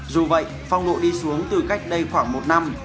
dù vậy phong lộ đi xuống từ cách đây khoảng một năm